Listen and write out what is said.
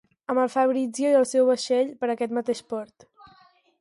Amb el Fabrizio i el seu vaixell per aquest mateix port...